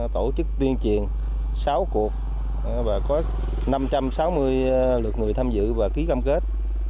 tổ chức tuyên truyền sáu cuộc và có năm trăm sáu mươi lượt người tham dự và ký cam kết